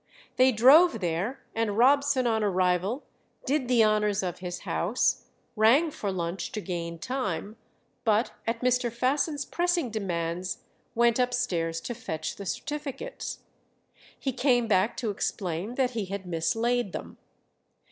They drove there, and Robson on arrival did the honours of his house, rang for lunch to gain time, but at Mr. Fasson's pressing demands went upstairs to fetch the certificates. He came back to explain that he had mislaid them.